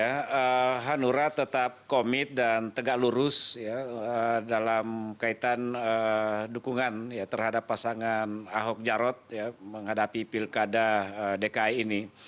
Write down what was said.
ya hanura tetap komit dan tegak lurus dalam kaitan dukungan terhadap pasangan ahok jarot menghadapi pilkada dki ini